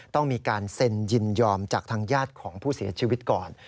ต้องมีการเซ็นยินยอมจากทางญาติของผู้เสียชีวิตก่อน